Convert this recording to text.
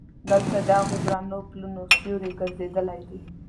دلته د هغو درنو پلونو سیوري ګرځېدلی دي.